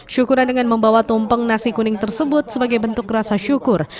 syukuran dengan membawa tumpeng nasi kuning tersebut sebagai bentuk rasa syukur